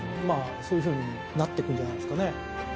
まあそういうふうになってくんじゃないですかね。